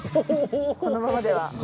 このままでは。